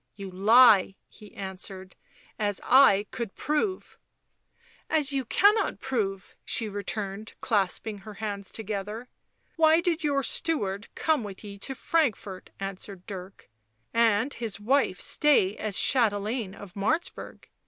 " You lie," he answered. " As I could prove." " As you cannot prove," she returned, clasping her hands together. " Why did your steward come with ye to Frank fort ?" asked Dirk. " And his wife stay as chatelaine of Martzburg